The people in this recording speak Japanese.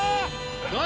何？